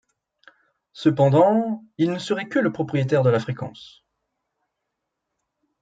Cependant, il ne serait que le propriétaire de la fréquence.